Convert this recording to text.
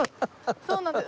そうなんです。